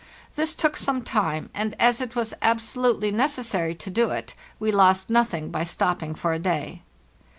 This took some time; and as it was abso lutely necessary to do it, we lost nothing by stopping for a day.